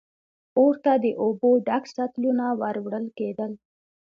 اور ته د اوبو ډک سطلونه ور وړل کېدل.